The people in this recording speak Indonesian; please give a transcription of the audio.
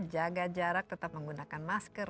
jaga jarak tetap menggunakan masker